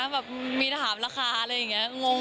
แบบมีถามราคาอะไรอย่างนี้งง